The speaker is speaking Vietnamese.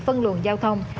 phân luồn giao thông